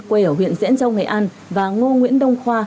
quê ở huyện diễn trông ngày an và ngô nguyễn đông khoa